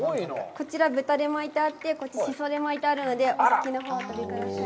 こちら、豚で巻いてあって、こっちシソで巻いてあるのでお好きなほうをお取りください。